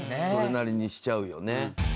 それなりにしちゃうよね。